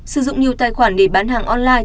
sử dụng nhiều tài khoản để bán hàng online